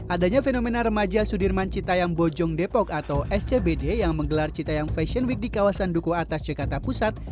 adanya fenomena remaja sudirman cita yang bojong depok atau scbd yang menggelar cita yang fashion week di kawasan duku atas jakarta pusat